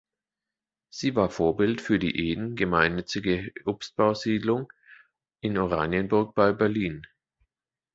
Sie war Vorbild für die Eden Gemeinnützige Obstbau-Siedlung in Oranienburg bei Berlin.